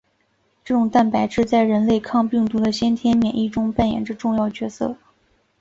这种蛋白质在人类抗病毒的先天免疫中扮演着重要角色。